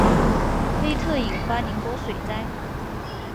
菲特引发宁波水灾。